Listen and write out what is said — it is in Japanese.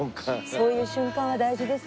そういう瞬間は大事ですね。